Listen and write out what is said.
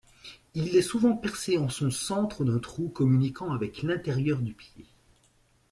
Il est souvent percé en son centre d’un trou communiquant avec l’intérieur du pied.